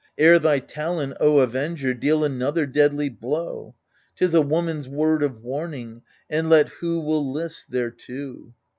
Ere thy talon, O Avenger, deal another deadly blow. Tis a woman's word of warning, and let who will list thereto.